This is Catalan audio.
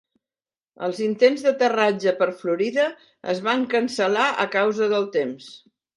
Els intents d'aterratge per Florida es van cancel·lar a causa del temps.